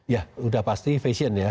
ya udah pasti fashion ya